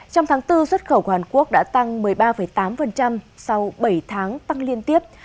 trong tháng bốn xuất khẩu của hàn quốc đã tăng một mươi ba tám sau bảy tháng tăng liên tiếp